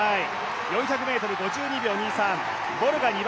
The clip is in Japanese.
４００ｍ５２秒２３。